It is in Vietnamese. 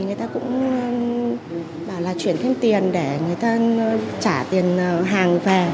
người ta cũng bảo là chuyển thêm tiền để người ta trả tiền hàng về